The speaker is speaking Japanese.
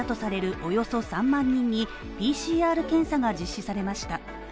およそ３万人にＰＣＲ検査が実施されました。